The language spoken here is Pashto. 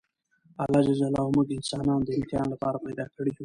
الله ج موږ انسانان د امتحان لپاره پیدا کړي یوو!